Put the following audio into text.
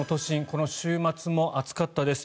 この週末も暑かったです。